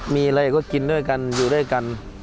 มีอะไรก็กินด้วยกันอยู่ด้วยกัน